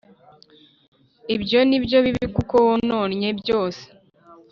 ibyo ni byo bibi kuko wononnye byose.